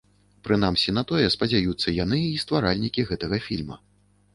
Прынамсі на тое спадзяюцца яны й стваральнікі гэтага фільма.